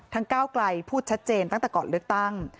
ก้าวไกลพูดชัดเจนตั้งแต่ก่อนเลือกตั้ง